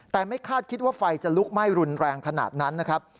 แต่ไม่คาดคิดว่าไฟจะลุกไหม้รุนแรงขนาดนั้นนะครับ